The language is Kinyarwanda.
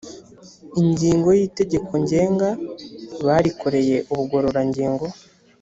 ingingo y’itegekongenga barikoreye ubugororangingo